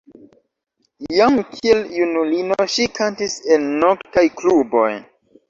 Jam kiel junulino ŝi kantis en noktaj kluboj.